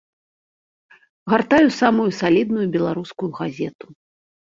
Гартаю самую салідную беларускую газету.